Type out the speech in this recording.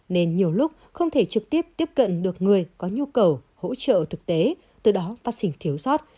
nên nhiều lúc không thể trực tiếp tiếp cận được người có nhu cầu hỗ trợ thực tế từ đó phát sinh thiếu sót